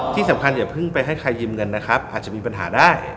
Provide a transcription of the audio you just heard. ที่สำคัญอย่าพึ่งไปให้ใครยืมเงินนะครับอาจจะมีปัญหาได้